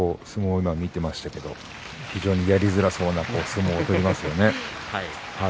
相撲は見ていましたけれども非常にやりづらそうな相撲を取りますよね。